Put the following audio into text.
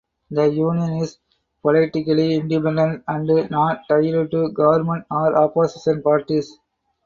The union is politically independent and not tied to government or opposition parties.